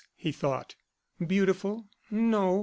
he thought. Beautiful? no.